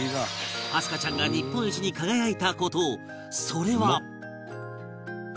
明日香ちゃんが日本一に輝いた事それは